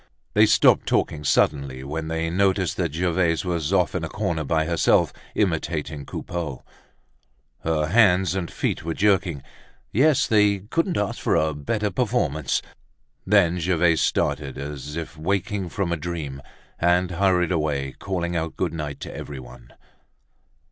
They stopped talking suddenly when they noticed that Gervaise was off in a corner by herself imitating Coupeau. Her hands and feet were jerking. Yes, they couldn't ask for a better performance! Then Gervaise started as if waking from a dream and hurried away calling out good night to everyone.